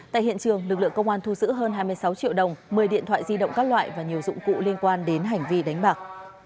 tại hiện trường lực lượng công an thu giữ hơn hai mươi sáu triệu đồng một mươi điện thoại di động các loại và nhiều dụng cụ liên quan đến hành vi đánh bạc